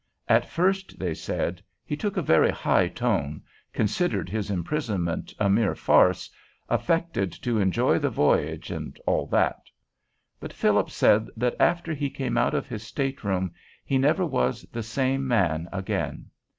At first, they said, he took a very high tone, considered his imprisonment a mere farce, affected to enjoy the voyage, and all that; but Phillips said that after he came out of his state room he never was the same man again.